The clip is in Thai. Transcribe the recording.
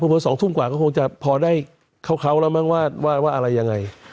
เบอร์๒ทุ่มกว่าก็คงจะพอได้เขาแล้วมั้งว่าอะไรยังไง